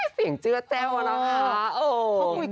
สิ่งเจ๋อเจ้้วนะคัก